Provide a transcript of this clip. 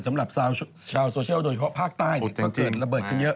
สำหรับชาวโซเชียลโดยเฉพาะภาคใต้ตอนเกิดระเบิดขึ้นเยอะ